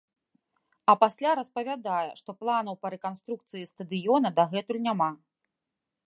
А пасля распавядае, што планаў па рэканструкцыі стадыёна дагэтуль няма.